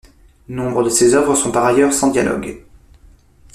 Nombre de ses œuvres sont par ailleurs sans dialogue.